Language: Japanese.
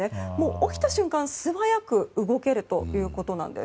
起きた瞬間素早く動けるということです。